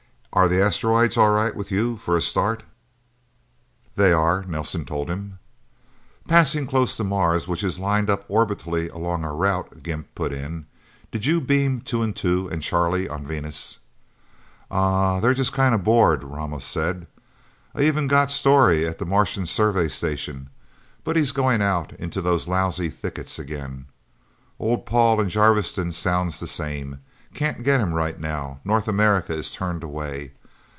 "Are the asteroids all right with you for a start?" "They are," Nelsen told him. "Passing close to Mars, which is lined up orbitally along our route," Gimp put in. "Did you beam Two and Two and Charlie on Venus?" "Uh huh they're just kind of bored," Ramos said. "I even got Storey at the Martian Survey Station. But he's going out into those lousy thickets, again. Old Paul, in Jarviston, sounds the same. Can't get him right now North America is turned away...